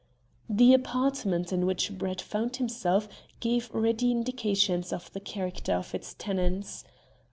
The apartment in which Brett found himself gave ready indications of the character of its tenants.